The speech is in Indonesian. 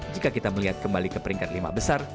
jika kita melihat kembali ke peringkat lima besar